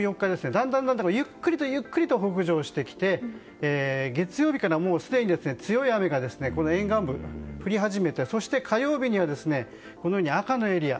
だんだん、ゆっくりゆっくりと北上してきて月曜日から強い雨が沿岸部で降り始めてそして、火曜日には赤のエリア。